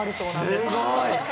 すごい。